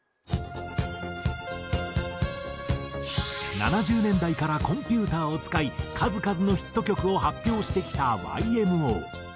７０年代からコンピューターを使い数々のヒット曲を発表してきたＹＭＯ。